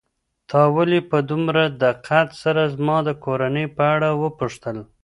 تا ولې په دومره دقت سره زما د کورنۍ په اړه وپوښتل؟